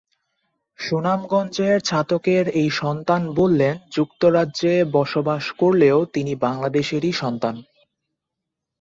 সুনামগঞ্জের ছাতকের এই সন্তান বলেন, যুক্তরাজ্যে বসবাস করলেও তিনি বাংলাদেশরই সন্তান।